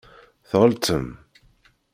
Tɣelṭem.